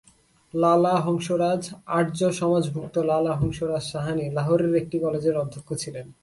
লালা হংসরাজ আর্যসমাজভুক্ত লালা হংসরাজ সাহানী, লাহোরের একটি কলেজের অধ্যক্ষ ছিলেন।